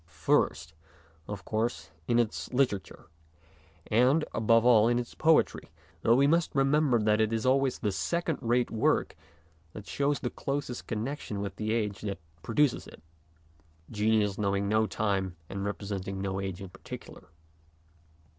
First, of course, in its literature, and, above all, in its poetry, though we must remember that it is always the second rate work that shows the closest connection with the age that pro duces it, genius knowing no time and repre senting no age in particular.